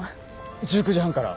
１９時半から？